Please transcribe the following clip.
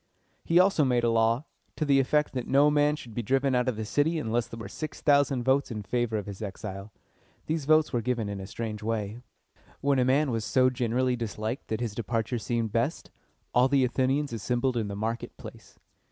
He also made a law, to the effect that no man should be driven out of the city unless there were six thousand votes in favor of his exile. These votes were given in a strange way. When a man was so generally disliked that his departure seemed best, all the Athenians assembled in the market place.